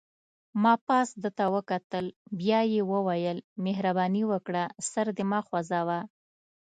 ما پاس ده ته وکتل، بیا یې وویل: مهرباني وکړه سر دې مه خوځوه.